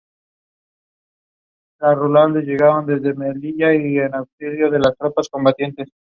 Otra canción de relevancia fue "Do Ya Thang".